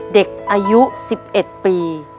เด็กอายุ๑๑ปี